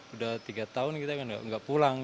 udah tiga tahun kita nggak pulang